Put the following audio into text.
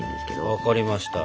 分かりました。